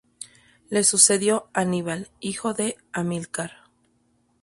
Le sucedió Aníbal, hijo de Amílcar.